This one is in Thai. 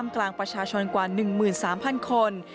กลางประชาชนกว่า๑๓๐๐คน